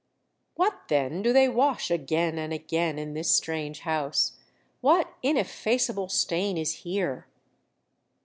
What, then, do they wash again and again in this strange house? What ineffaceable stain is here?